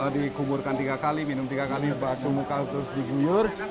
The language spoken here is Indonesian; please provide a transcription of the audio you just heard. dikuburkan tiga kali minum tiga kali bakso muka terus diguyur